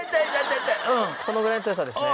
このぐらいの強さですね。